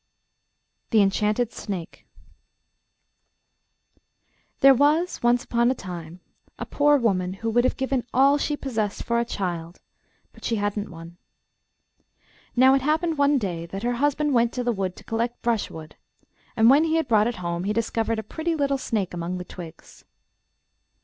THE ENCHANTED SNAKE There was once upon a time a poor woman who would have given all she possessed for a child, but she hadn't one. Now it happened one day that her husband went to the wood to collect brushwood, and when he had brought it home, he discovered a pretty little snake among the twigs.